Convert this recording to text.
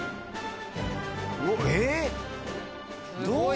えっ